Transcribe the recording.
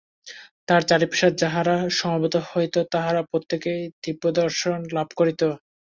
তাঁহার চারিপাশে যাহারা সমবেত হইত, তাহারা প্রত্যেকেই দিব্যদর্শন লাভ করিত।